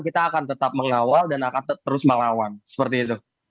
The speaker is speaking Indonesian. kita akan tetap mengawal dan akan terus melawan seperti itu